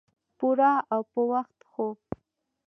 پوره او پۀ وخت خوب